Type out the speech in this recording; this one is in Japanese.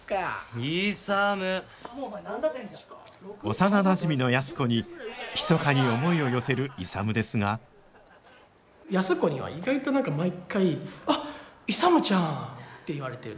幼なじみの安子にひそかに思いを寄せる勇ですが安子には意外と何か毎回「あっ勇ちゃん」って言われてる。